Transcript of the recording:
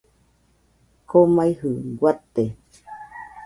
Komaijɨ guate